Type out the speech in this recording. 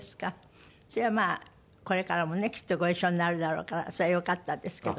じゃあまあこれからもねきっとご一緒になるだろうからそれはよかったですけど。